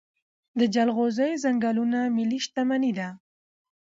د جلغوزیو ځنګلونه ملي شتمني ده.